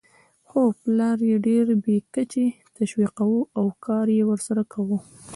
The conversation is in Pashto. خو پلار یې ډېر بې کچې تشویقاوو او کار یې ورسره کاوه.